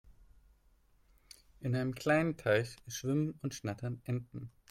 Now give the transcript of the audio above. In einem kleinen Teich schwimmen und schnattern Enten.